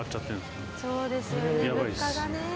やばいです。